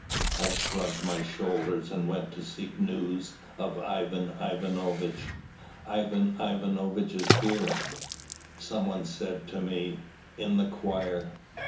I shrugged my shoulders, and went to seek news of Ivan Ivanovitch. "Ivan Ivanovitch is here," some one said to me, "in the choir."